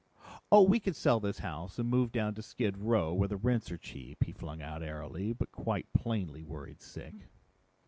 "Oh we could sell this house and move down to skid row where the rents are cheap," he flung out airily, but quite plainly worried sick.